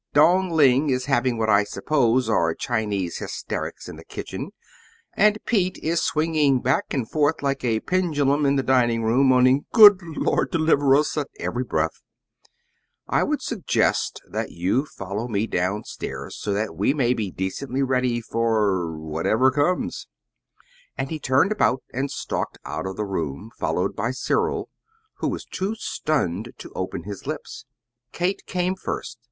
Dong Ling is having what I suppose are Chinese hysterics in the kitchen; and Pete is swinging back and forth like a pendulum in the dining room, moaning 'Good Lord, deliver us!' at every breath. I would suggest that you follow me down stairs so that we may be decently ready for whatever comes." And he turned about and stalked out of the room, followed by Cyril, who was too stunned to open his lips. Kate came first.